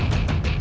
aku akan menang